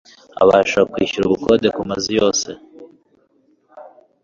abasha kwishyura ubukode kumazu yose